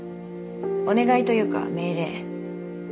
「お願いというか命令」